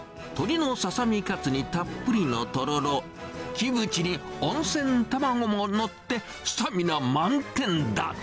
鶏のささ身カツにたっぷりのとろろ、キムチに温泉卵も載って、スタミナ満点だ。